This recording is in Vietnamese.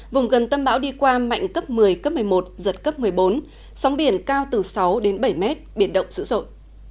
vùng gần tâm bão đi qua mạnh cấp một mươi cấp một mươi một giật cấp một mươi bốn sóng biển cao từ sáu đến bảy mét biển động dữ dội